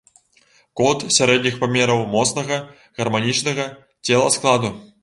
Кот сярэдніх памераў, моцнага, гарманічнага целаскладу.